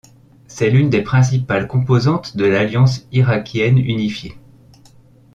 C'est l'une des principales composantes de l'Alliance irakienne unifiée.